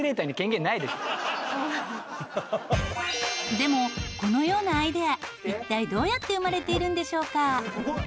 でもこのようなアイデア一体どうやって生まれているんでしょうか？